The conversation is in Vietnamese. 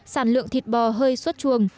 sản lượng thịt bò hơi suất chuồng